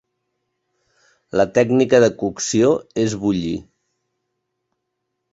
La tècnica de cocció és bullir.